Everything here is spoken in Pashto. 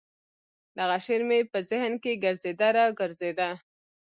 دغه شعر مې په ذهن کښې ګرځېده راګرځېده.